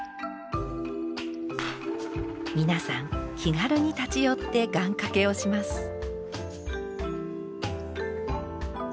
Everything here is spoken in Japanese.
皆さん気軽に立ち寄って願かけをします。